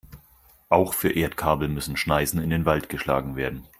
Auch für Erdkabel müssen Schneisen in den Wald geschlagen werden.